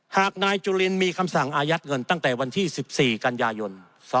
หากนายจุลินมีคำสั่งอายัดเงินตั้งแต่วันที่๑๔กันยายน๒๕๖